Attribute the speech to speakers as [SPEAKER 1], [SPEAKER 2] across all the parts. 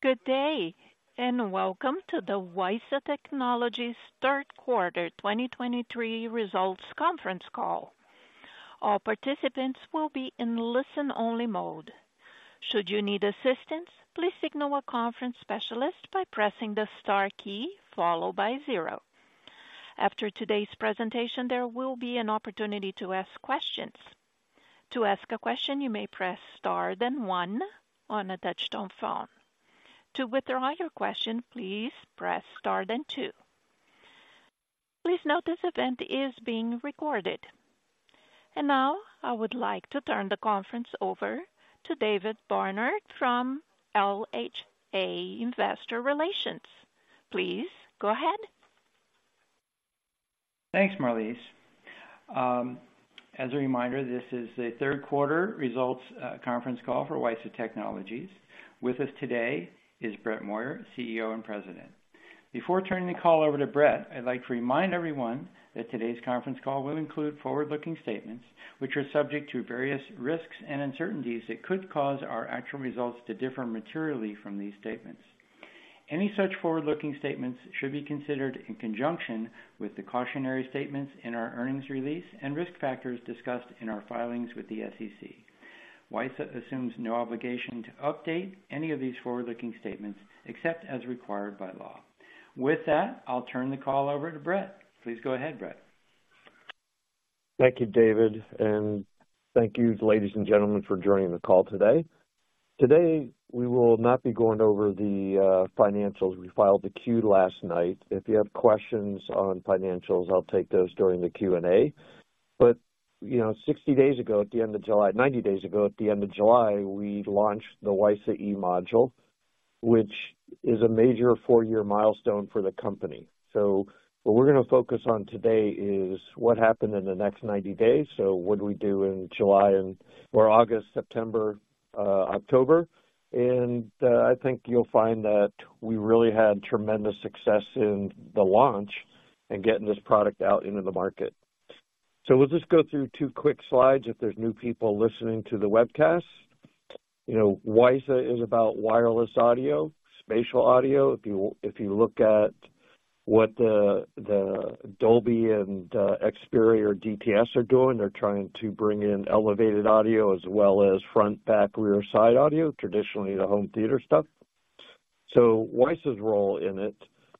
[SPEAKER 1] Good day, and welcome to the WiSA Technologies third quarter 2023 results conference call. All participants will be in listen-only mode. Should you need assistance, please signal a conference specialist by pressing the star key, followed by zero. After today's presentation, there will be an opportunity to ask questions. To ask a question, you may press star then one on a touchtone phone. To withdraw your question, please press star then two. Please note this event is being recorded. And now, I would like to turn the conference over to David Barnard from LHA Investor Relations. Please go ahead.
[SPEAKER 2] Thanks, Marlise. As a reminder, this is the third quarter results conference call for WiSA Technologies. With us today is Brett Moyer, CEO and President. Before turning the call over to Brett, I'd like to remind everyone that today's conference call will include forward-looking statements, which are subject to various risks and uncertainties that could cause our actual results to differ materially from these statements. Any such forward-looking statements should be considered in conjunction with the cautionary statements in our earnings release and risk factors discussed in our filings with the SEC. WiSA assumes no obligation to update any of these forward-looking statements, except as required by law. With that, I'll turn the call over to Brett. Please go ahead, Brett.
[SPEAKER 3] Thank you, David, and thank you, ladies and gentlemen, for joining the call today. Today, we will not be going over the financials. We filed the Q last night. If you have questions on financials, I'll take those during the Q&A. But, you know, 60 days ago, at the end of July... 90 days ago, at the end of July, we launched the WiSA E module, which is a major four-year milestone for the company. So what we're gonna focus on today is what happened in the next 90 days. So what did we do in July or August, September, October, and I think you'll find that we really had tremendous success in the launch and getting this product out into the market. So we'll just go through two quick slides if there's new people listening to the webcast. You know, WiSA is about wireless audio, spatial audio. If you look at what the Dolby and Xperi or DTS are doing, they're trying to bring in elevated audio as well as front, back, rear, side audio, traditionally, the home theater stuff. So WiSA's role in it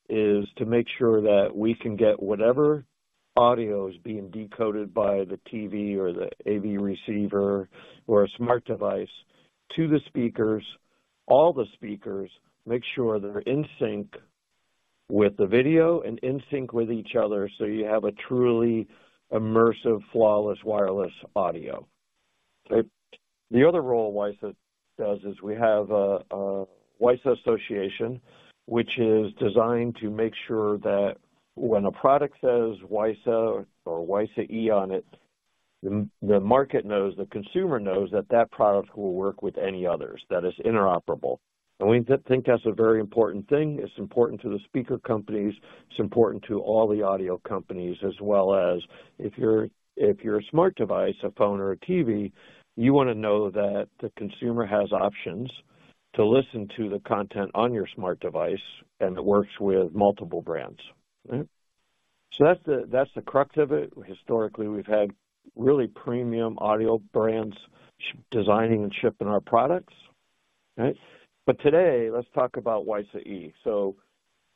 [SPEAKER 3] is to make sure that we can get whatever audio is being decoded by the TV or the AV receiver or a smart device to the speakers, all the speakers, make sure they're in sync with the video and in sync with each other, so you have a truly immersive, flawless, wireless audio. The other role WiSA does is we have a WiSA Association, which is designed to make sure that when a product says WiSA or WiSA E on it, the market knows, the consumer knows that that product will work with any others, that it's interoperable. And we think that's a very important thing. It's important to the speaker companies. It's important to all the audio companies, as well as if you're a smart device, a phone or a TV, you wanna know that the consumer has options to listen to the content on your smart device, and it works with multiple brands. So that's the crux of it. Historically, we've had really premium audio brands designing and shipping our products. Right? But today, let's talk about WiSA E. So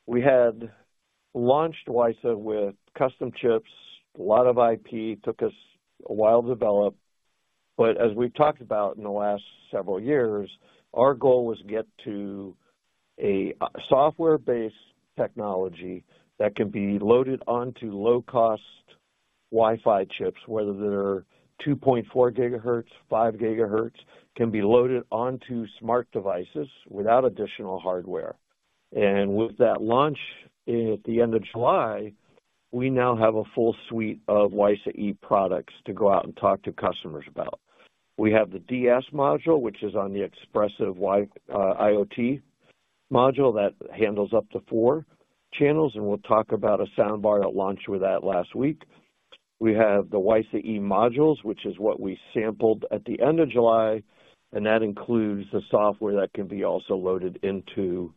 [SPEAKER 3] we had launched WiSA with custom chips. A lot of IP, took us a while to develop, but as we've talked about in the last several years, our goal was to get to a software-based technology that can be loaded onto low-cost Wi-Fi chips, whether they're 2.4 GHz, 5 GHz, can be loaded onto smart devices without additional hardware. And with that launch at the end of July, we now have a full suite of WiSA E products to go out and talk to customers about. We have the WiSA DS module, which is on the Espressif Wi-Fi IoT module that handles up to four channels, and we'll talk about a soundbar that launched with that last week. We have the WiSA E modules, which is what we sampled at the end of July, and that includes the software that can be also loaded into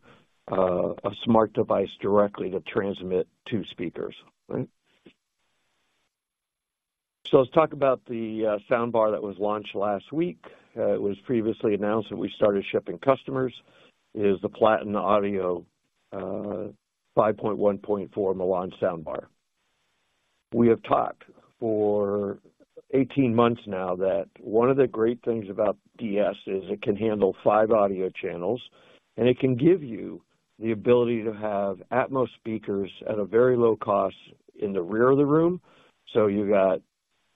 [SPEAKER 3] a smart device directly to transmit to speakers. Right? So let's talk about the soundbar that was launched last week. It was previously announced, and we started shipping customers, is the Platin Audio 5.1.4 Milan soundbar. We have talked for 18 months now that one of the great things about DS is it can handle five audio channels, and it can give you the ability to have Atmos speakers at a very low cost in the rear of the room. So you got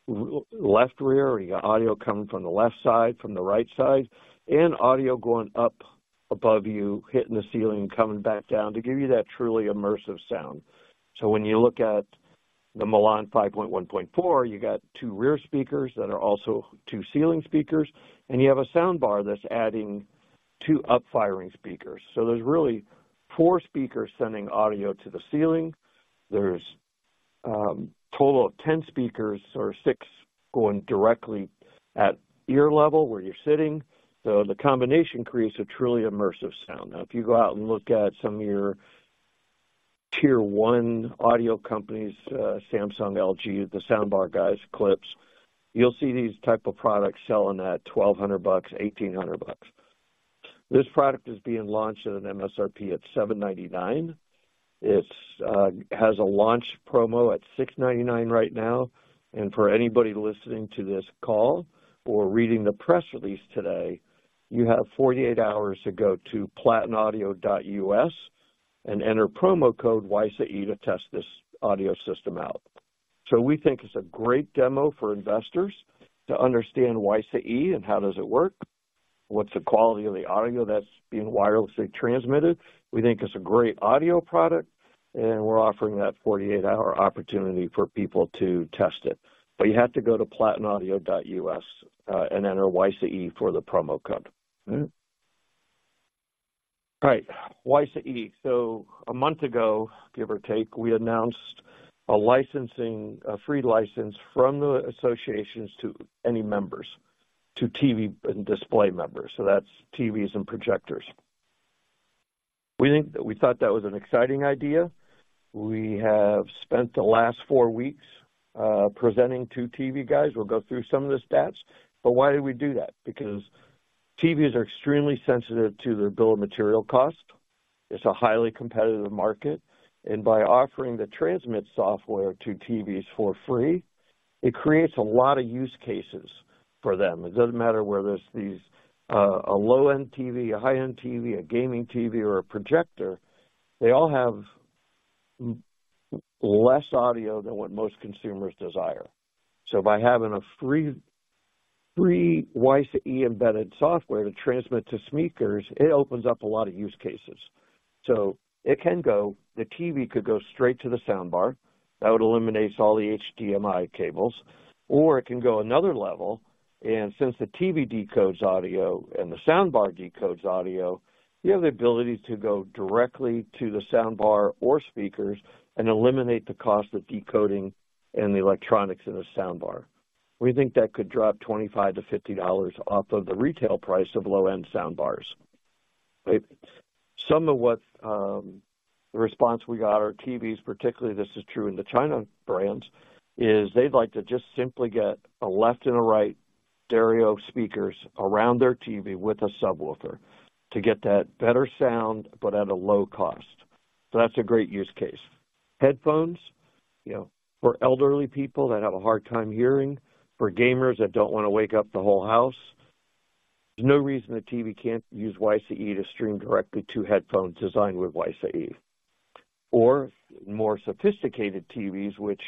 [SPEAKER 3] left rear, you got audio coming from the left side, from the right side, and audio going up above you, hitting the ceiling, and coming back down to give you that truly immersive sound. So when you look at the Milan 5.1.4, you got two rear speakers that are also two ceiling speakers, and you have a soundbar that's adding two up-firing speakers. So there's really four speakers sending audio to the ceiling. There's a total of 10 speakers or six going directly at ear level where you're sitting. So the combination creates a truly immersive sound. Now, if you go out and look at some of your tier one audio companies, Samsung, LG, the soundbar guys, Klipsch, you'll see these type of products selling at $1,200, $1,800. This product is being launched at an MSRP at $799. It has a launch promo at $699 right now, and for anybody listening to this call or reading the press release today, you have 48 hours to go to platinaudio.us and enter promo code WiSA E to test this audio system out. So we think it's a great demo for investors to understand WiSA E and how does it work, what's the quality of the audio that's being wirelessly transmitted. We think it's a great audio product, and we're offering that 48-hour opportunity for people to test it. But you have to go to platinaudio.us and enter WiSA E for the promo code. All right, WiSA E. So a month ago, give or take, we announced a licensing, a free license from the associations to any members, to TV and display members, so that's TVs and projectors. We think that we thought that was an exciting idea. We have spent the last four weeks presenting to TV guys. We'll go through some of the stats, but why did we do that? Because TVs are extremely sensitive to their bill of materials cost. It's a highly competitive market, and by offering the transmit software to TVs for free, it creates a lot of use cases for them. It doesn't matter whether it's these, a low-end TV, a high-end TV, a gaming TV, or a projector; they all have less audio than what most consumers desire. So by having a free, free WiSA E embedded software to transmit to speakers, it opens up a lot of use cases. So it can go. The TV could go straight to the soundbar. That would eliminate all the HDMI cables, or it can go another level, and since the TV decodes audio and the soundbar decodes audio, you have the ability to go directly to the soundbar or speakers and eliminate the cost of decoding and the electronics in the soundbar. We think that could drop $25-$50 off of the retail price of low-end soundbars. Some of what the response we got are TVs, particularly, this is true in the China brands, is they'd like to just simply get a left and a right stereo speakers around their TV with a subwoofer to get that better sound, but at a low cost. So that's a great use case. Headphones, you know, for elderly people that have a hard time hearing, for gamers that don't want to wake up the whole house, there's no reason the TV can't use WiSA E to stream directly to headphones designed with WiSA E. Or more sophisticated TVs, which,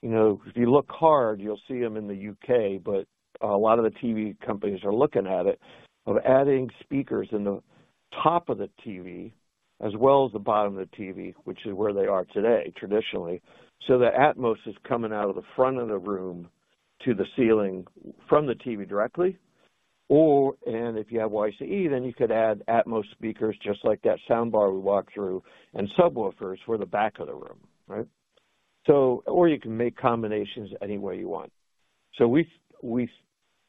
[SPEAKER 3] you know, if you look hard, you'll see them in the U.K., but a lot of the TV companies are looking at it, of adding speakers in the top of the TV as well as the bottom of the TV, which is where they are today, traditionally. So the Atmos is coming out of the front of the room to the ceiling from the TV directly, or, and if you have WiSA E, then you could add Atmos speakers just like that soundbar we walked through, and subwoofers for the back of the room, right? So... Or you can make combinations any way you want. So we, we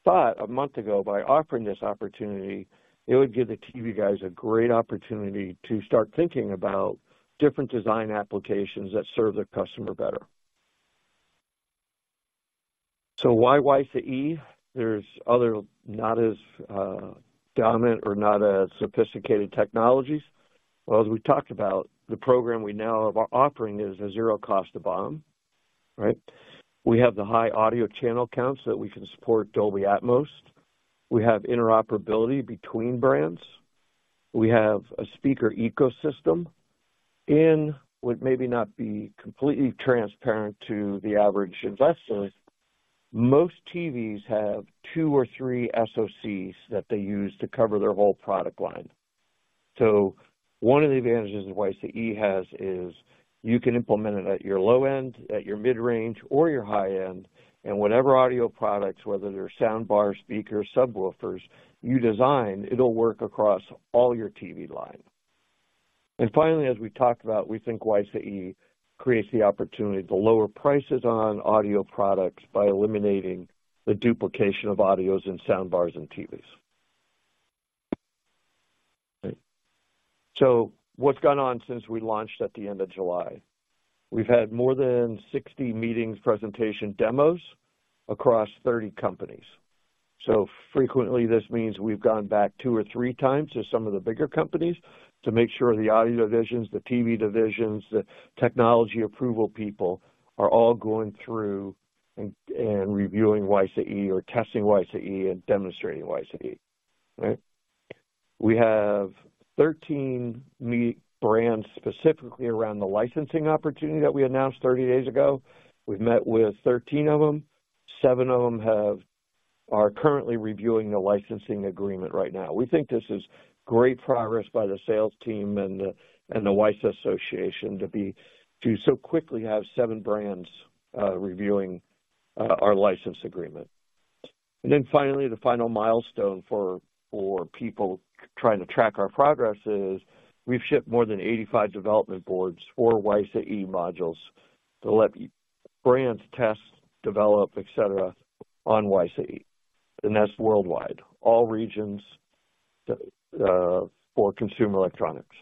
[SPEAKER 3] thought a month ago, by offering this opportunity, it would give the TV guys a great opportunity to start thinking about different design applications that serve their customer better. So why WiSA E? There's other not as dominant or not as sophisticated technologies. Well, as we talked about, the program we now are offering is a zero cost to BOM, right? We have the high audio channel counts that we can support Dolby Atmos. We have interoperability between brands. We have a speaker ecosystem, and would maybe not be completely transparent to the average investor, most TVs have two or three SoCs that they use to cover their whole product line. So one of the advantages WiSA E has is you can implement it at your low end, at your mid-range, or your high end, and whatever audio products, whether they're soundbar, speakers, subwoofers, you design, it'll work across all your TV line. And finally, as we talked about, we think WiSA E creates the opportunity to lower prices on audio products by eliminating the duplication of audios in soundbars and TVs. So what's gone on since we launched at the end of July? We've had more than 60 meetings, presentation, demos across 30 companies. So frequently, this means we've gone back 2 or 3 times to some of the bigger companies to make sure the audio divisions, the TV divisions, the technology approval people are all going through and reviewing WiSA E or testing WiSA E and demonstrating WiSA E. Right? We have met 13 brands specifically around the licensing opportunity that we announced 30 days ago. We've met with 13 of them. 7 of them are currently reviewing the licensing agreement right now. We think this is great progress by the sales team and the WiSA Association to so quickly have 7 brands reviewing our license agreement. Then finally, the final milestone for people trying to track our progress is we've shipped more than 85 development boards for WiSA E modules to let brands test, develop, et cetera, on WiSA E, and that's worldwide, all regions, for consumer electronics.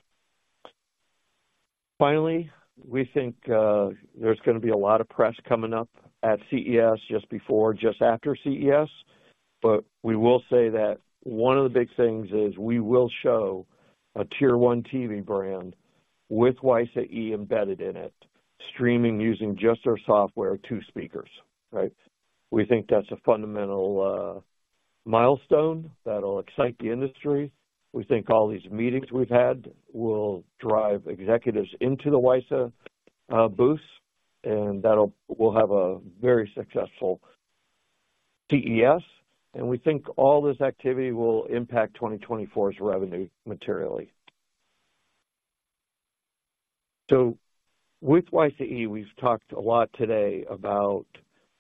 [SPEAKER 3] Finally, we think there's gonna be a lot of press coming up at CES, just before, just after CES. But we will say that one of the big things is we will show a tier one TV brand with WiSA E embedded in it, streaming, using just our software, two speakers, right? We think that's a fundamental milestone that'll excite the industry. We think all these meetings we've had will drive executives into the WiSA booth, and that'll, we'll have a very successful CES, and we think all this activity will impact 2024's revenue materially. So with WiSA E, we've talked a lot today about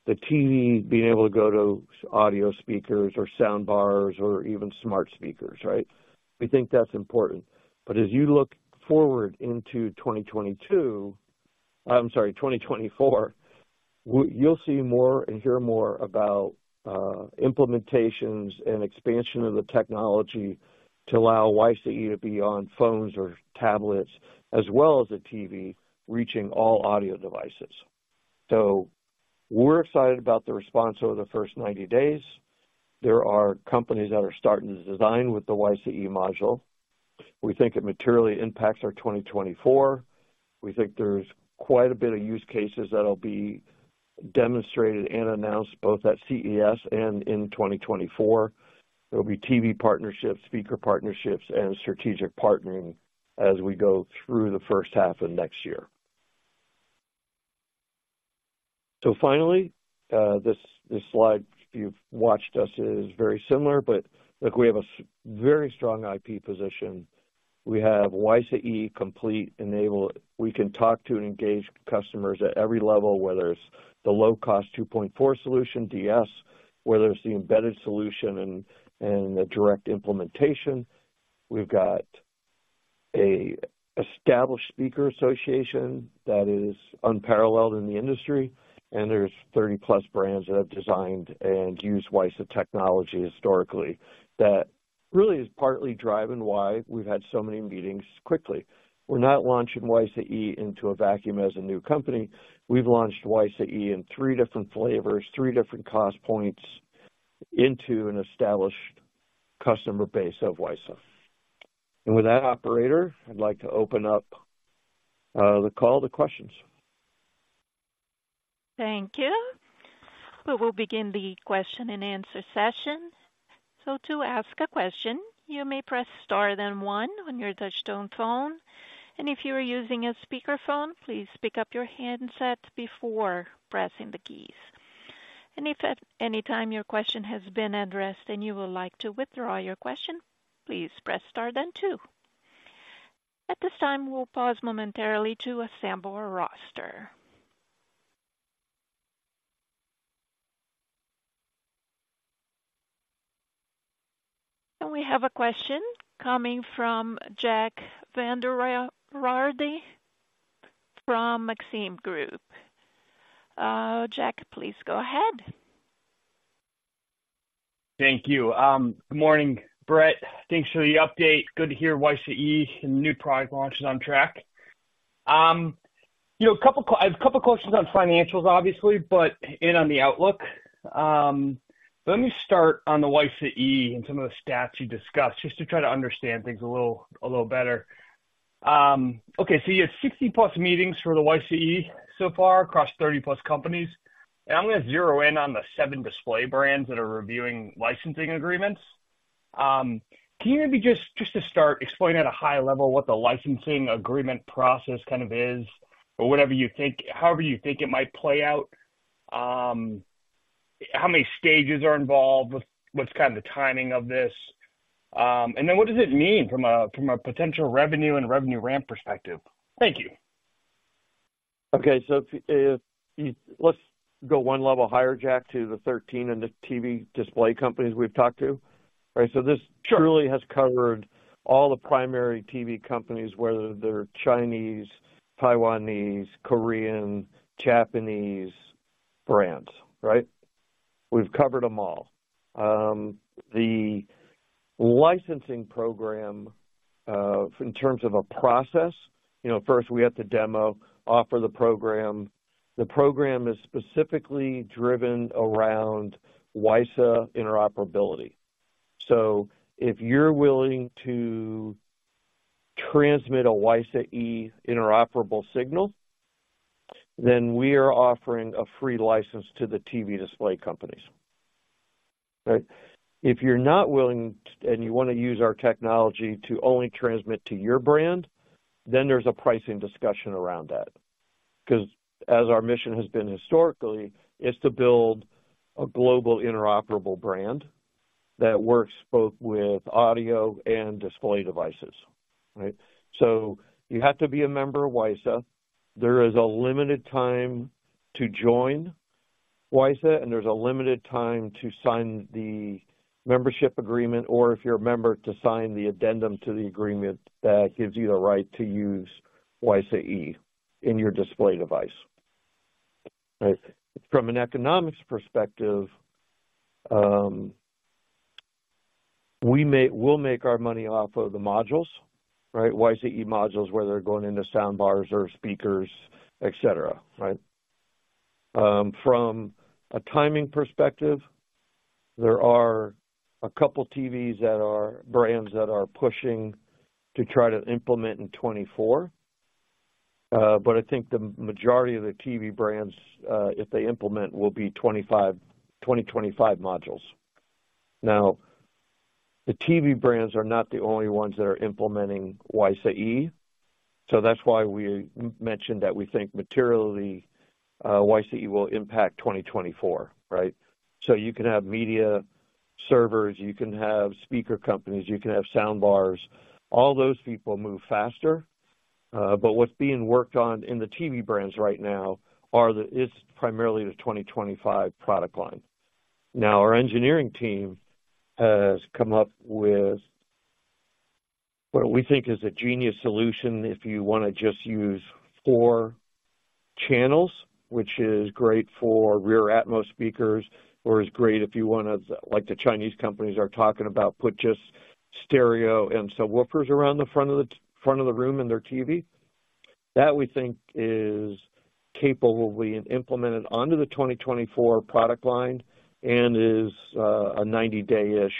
[SPEAKER 3] the TV being able to go to audio speakers or soundbars or even smart speakers, right? We think that's important. But as you look forward into 2022, I'm sorry, 2024, you'll see more and hear more about implementations and expansion of the technology to allow WiSA E to be on phones or tablets, as well as the TV, reaching all audio devices. So we're excited about the response over the first 90 days. There are companies that are starting to design with the WiSA E module. We think it materially impacts our 2024. We think there's quite a bit of use cases that'll be demonstrated and announced both at CES and in 2024. There'll be TV partnerships, speaker partnerships, and strategic partnering as we go through the first half of next year. So finally, this slide, if you've watched us, is very similar, but look, we have a very strong IP position. We have WiSA E complete enable. We can talk to and engage customers at every level, whether it's the low-cost 2.4 solution, DS, whether it's the embedded solution and the direct implementation. We've got an established speaker association that is unparalleled in the industry, and there's 30+ brands that have designed and used WiSA technology historically. That really is partly driving why we've had so many meetings quickly. We're not launching WiSA E into a vacuum as a new company. We've launched WiSA E in three different flavors, three different cost points into an established customer base of WiSA. And with that, operator, I'd like to open up the call to questions.
[SPEAKER 1] Thank you. We will begin the question-and-answer session. So to ask a question, you may press star then one on your touchtone phone, and if you are using a speakerphone, please pick up your handset before pressing the keys. And if at any time your question has been addressed and you would like to withdraw your question, please press star then two. At this time, we'll pause momentarily to assemble a roster. And we have a question coming from Jack Vander Aarde from Maxim Group. Jack, please go ahead.
[SPEAKER 4] Thank you. Good morning, Brett. Thanks for the update. Good to hear WiSA E and the new product launch is on track. You know, a couple questions on financials, obviously, but, and on the outlook. Let me start on the WiSA E and some of the stats you discussed, just to try to understand things a little better. Okay, so you had 60+ meetings for the WiSA E so far, across 30+ companies, and I'm gonna zero in on the seven display brands that are reviewing licensing agreements. Can you maybe just, just to start, explain at a high level what the licensing agreement process kind of is or whatever you think, however you think it might play out? How many stages are involved? What's kind of the timing of this? And then what does it mean from a, from a potential revenue and revenue ramp perspective? Thank you.
[SPEAKER 3] Okay, so... Let's go one level higher, Jack, to the 13 and the TV display companies we've talked to, right?
[SPEAKER 4] Sure.
[SPEAKER 3] So this truly has covered all the primary TV companies, whether they're Chinese, Taiwanese, Korean, Japanese brands, right? We've covered them all. The licensing program, in terms of a process, you know, first we have to demo, offer the program. The program is specifically driven around WiSA interoperability. So if you're willing to transmit a WiSA E interoperable signal, then we are offering a free license to the TV display companies, right? If you're not willing and you want to use our technology to only transmit to your brand, then there's a pricing discussion around that. Because as our mission has been historically, it's to build a global interoperable brand... that works both with audio and display devices, right? So you have to be a member of WiSA. There is a limited time to join WiSA, and there's a limited time to sign the membership agreement, or if you're a member, to sign the addendum to the agreement that gives you the right to use WiSA E in your display device. Right. From an economics perspective, we'll make our money off of the modules, right? WiSA E modules, whether they're going into soundbars or speakers, et cetera, right? From a timing perspective, there are a couple TV brands that are pushing to try to implement in 2024. But I think the majority of the TV brands, if they implement, will be 2025, 2025 modules. Now, the TV brands are not the only ones that are implementing WiSA E, so that's why we mentioned that we think materially, WiSA E will impact 2024, right? So you can have media servers, you can have speaker companies, you can have soundbars. All those people move faster. But what's being worked on in the TV brands right now are the—it's primarily the 2025 product line. Now, our engineering team has come up with what we think is a genius solution. If you wanna just use four channels, which is great for rear Atmos speakers, or is great if you wanna, like the Chinese companies are talking about, put just stereo and subwoofers around the front of the room in their TV. That, we think, is capable of being implemented onto the 2024 product line and is a 90-day-ish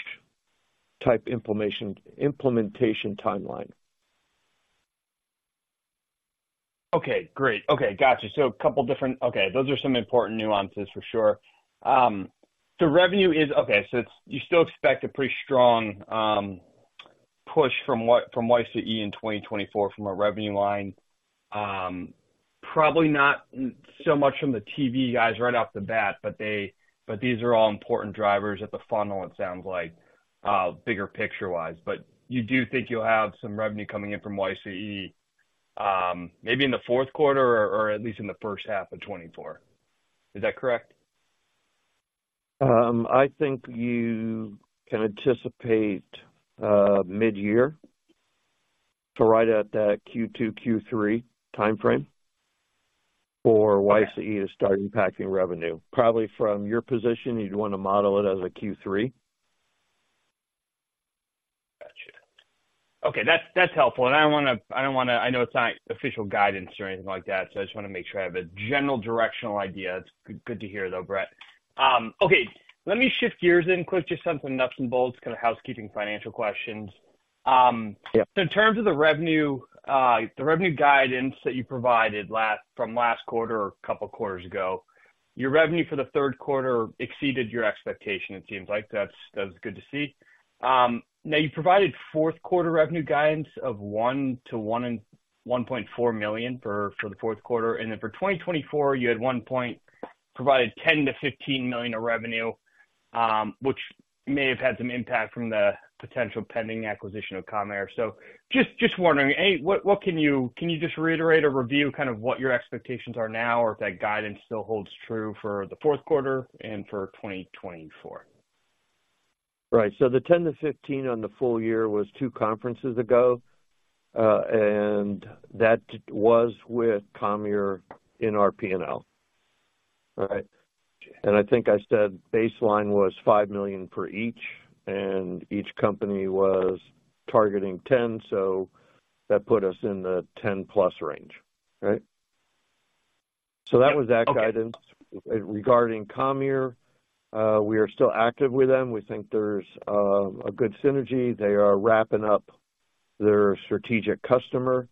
[SPEAKER 3] type implementation timeline.
[SPEAKER 4] Okay, great. Okay, got you. So a couple different... Okay, those are some important nuances for sure. So revenue - okay, so it's - you still expect a pretty strong push from WiSA E in 2024 from a revenue line. Probably not so much from the TV guys right off the bat, but - but these are all important drivers at the funnel, it sounds like, bigger picture-wise. But you do think you'll have some revenue coming in from WiSA E, maybe in the fourth quarter or at least in the first half of 2024. Is that correct?
[SPEAKER 3] I think you can anticipate, mid-year, so right at that Q2, Q3 timeframe for WiSA E to start impacting revenue. Probably from your position, you'd want to model it as a Q3.
[SPEAKER 4] Gotcha. Okay, that's, that's helpful. And I don't wanna, I don't wanna—I know it's not official guidance or anything like that, so I just wanna make sure I have a general directional idea. It's good to hear, though, Brett. Okay, let me shift gears then quick, just some nuts and bolts, kind of, housekeeping, financial questions.
[SPEAKER 3] Yep.
[SPEAKER 4] So in terms of the revenue, the revenue guidance that you provided from last quarter or a couple quarters ago, your revenue for the third quarter exceeded your expectation, it seems like. That's, that's good to see. Now, you provided fourth quarter revenue guidance of $1-$1.4 million for the fourth quarter, and then for 2024, you at one point provided $10 million-$15 million of revenue, which may have had some impact from the potential pending acquisition of Comhear Inc. So just, just wondering, A, what, what can you—can you just reiterate or review kind of what your expectations are now, or if that guidance still holds true for the fourth quarter and for 2024?
[SPEAKER 3] Right. So the $10 million-$15 million on the full year was two conferences ago, and that was with Comhear in our P&L. All right? And I think I said baseline was $5 million for each, and each company was targeting $10 million, so that put us in the $10 million+ range. Right? So that was that guidance.
[SPEAKER 4] Okay.
[SPEAKER 3] Regarding Comhear, we are still active with them. We think there's a good synergy. They are wrapping up their strategic customer,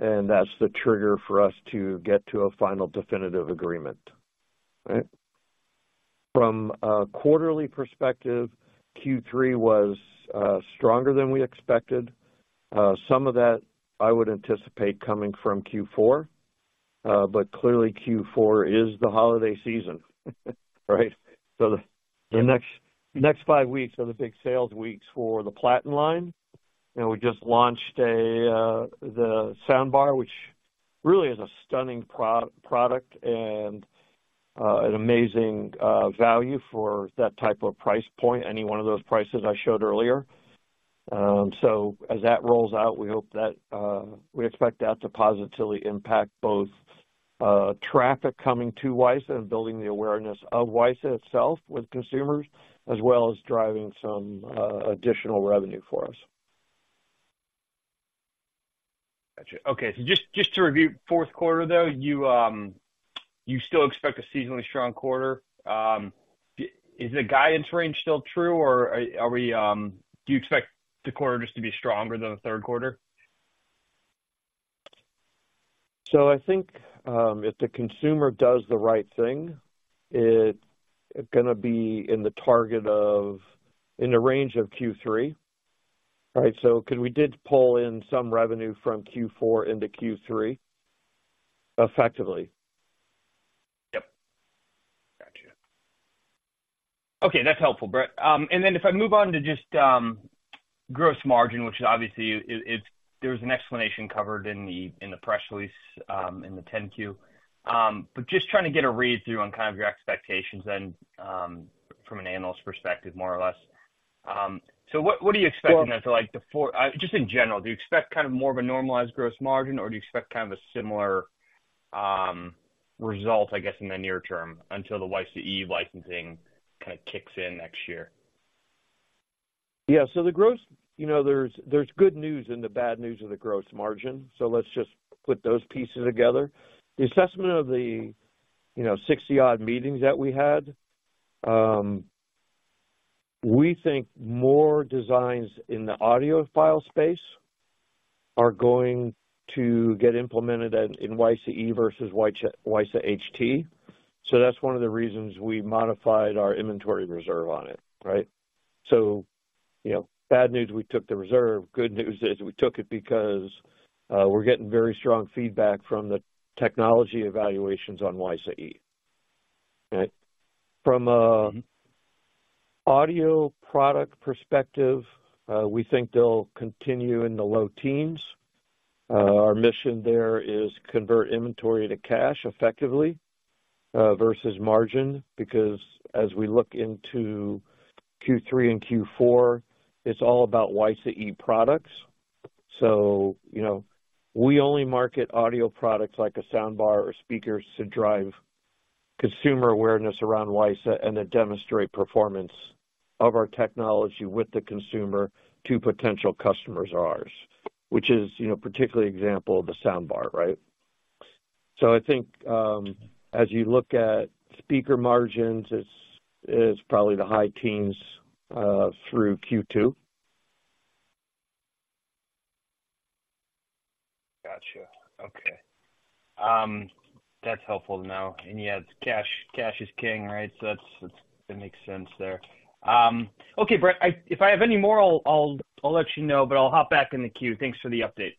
[SPEAKER 3] and that's the trigger for us to get to a final definitive agreement. All right? From a quarterly perspective, Q3 was stronger than we expected. Some of that I would anticipate coming from Q4, but clearly Q4 is the holiday season, right? So the next five weeks are the big sales weeks for the Platin line, and we just launched the soundbar, which really is a stunning product and an amazing value for that type of price point, any one of those prices I showed earlier. So as that rolls out, we expect that to positively impact both traffic coming to WiSA and building the awareness of WiSA itself with consumers, as well as driving some additional revenue for us.
[SPEAKER 4] Gotcha. Okay. So just, just to review fourth quarter, though, you, you still expect a seasonally strong quarter. Is the guidance range still true, or are, are we, do you expect the quarter just to be stronger than the third quarter?
[SPEAKER 3] So I think, if the consumer does the right thing, it gonna be in the target of... In the range of Q3, right? So because we did pull in some revenue from Q4 into Q3, effectively.
[SPEAKER 4] Gotcha. Okay, that's helpful, Brett. And then if I move on to just, gross margin, which is obviously, it, there's an explanation covered in the press release, in the 10-Q. But just trying to get a read through on kind of your expectations then, from an analyst perspective, more or less. So what are you expecting there for, like, the four-- just in general, do you expect kind of more of a normalized gross margin, or do you expect kind of a similar, result, I guess, in the near term until the WiSA E licensing kind of kicks in next year?
[SPEAKER 3] Yeah. So the gross, you know, there's, there's good news and the bad news of the gross margin, so let's just put those pieces together. The assessment of the, you know, 60-odd meetings that we had, we think more designs in the audio file space are going to get implemented in, in WiSA E versus WiSA HT, WiSA HT. So that's one of the reasons we modified our inventory reserve on it, right? So, you know, bad news, we took the reserve. Good news is we took it because, we're getting very strong feedback from the technology evaluations on WiSA E. Right. From a-
[SPEAKER 4] Mm-hmm.
[SPEAKER 3] audio product perspective, we think they'll continue in the low teens. Our mission there is convert inventory to cash effectively, versus margin, because as we look into Q3 and Q4, it's all about WiSA E products. So, you know, we only market audio products like a soundbar or speakers to drive consumer awareness around WiSA HT and to demonstrate performance of our technology with the consumer to potential customers of ours, which is, you know, particularly example of the soundbar, right? So I think, as you look at speaker margins, it's probably the high teens, through Q2.
[SPEAKER 4] Gotcha. Okay. That's helpful to know. And, yeah, it's cash. Cash is king, right? So that's, that makes sense there. Okay, Brett, if I have any more, I'll, I'll, I'll let you know, but I'll hop back in the queue. Thanks for the update.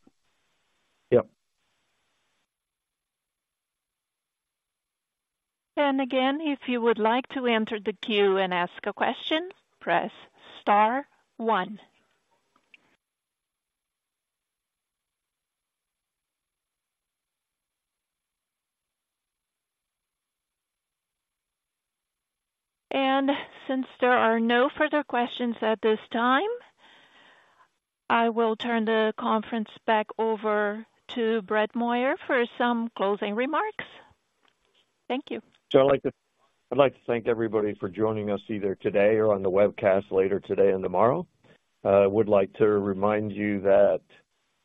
[SPEAKER 3] Yep.
[SPEAKER 1] And again, if you would like to enter the queue and ask a question, press star one. And since there are no further questions at this time, I will turn the conference back over to Brett Moyer for some closing remarks. Thank you.
[SPEAKER 3] So I'd like to thank everybody for joining us either today or on the webcast later today and tomorrow. I would like to remind you that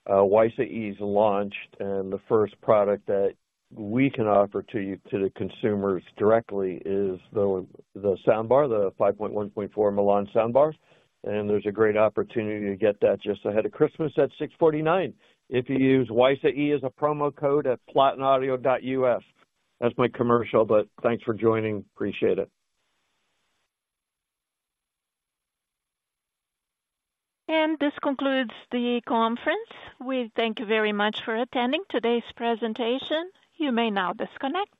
[SPEAKER 3] WiSA E is launched, and the first product that we can offer to you, to the consumers directly is the soundbar, the 5.1.4 Milan soundbar. And there's a great opportunity to get that just ahead of Christmas at $649. If you use WiSA E as a promo code at PlatinAudio.us. That's my commercial, but thanks for joining. Appreciate it.
[SPEAKER 1] This concludes the conference. We thank you very much for attending today's presentation. You may now disconnect.